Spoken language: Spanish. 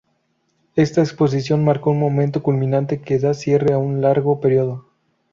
Esta exposición marcó un momento culminante que da cierre a un largo periodo.